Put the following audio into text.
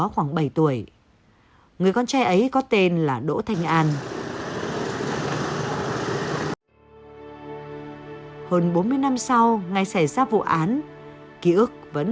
khoảng bảy tuổi người con trai ấy có tên là đỗ thanh an hơn bốn mươi năm sau ngày xảy ra vụ án ký ức vẫn